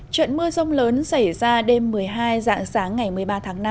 trận mưa rông lớn xảy ra đêm một mươi hai dạng sáng ngày một mươi ba tháng năm